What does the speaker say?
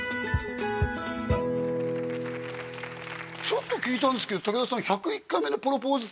ちょっと聞いたんですけど武田さん「１０１回目のプロポーズ」